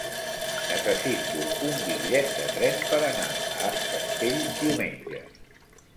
Necessito un bitllet de tren per anar a Es Castell diumenge.